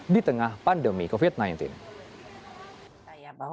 di tengah pandemi covid sembilan belas